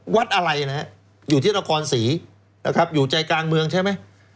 วัดอะไรนะฮะอยู่ที่นครศรีนะครับอยู่ใจกลางเมืองใช่ไหม